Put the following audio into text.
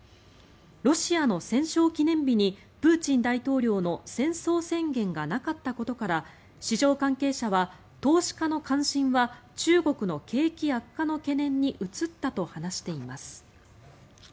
ロシアの戦勝記念日にプーチン大統領の戦争宣言がなかったことから市場関係者は、投資家の関心は中国の景気悪化の懸念に移ったと話しています。